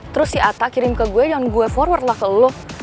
terus si atta kirim ke gue dan gue forward lah ke lo